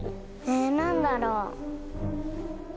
え何だろう。